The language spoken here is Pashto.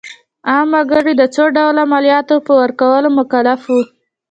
عام وګړي د څو ډوله مالیاتو په ورکولو مکلف وو.